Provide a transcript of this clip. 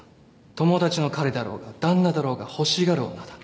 友達の彼だろうが旦那だろうが欲しがる女だ